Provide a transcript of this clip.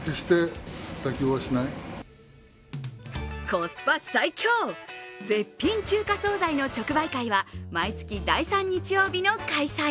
コスパ最強、絶品中華総菜の直売会は毎月第３日曜日の開催。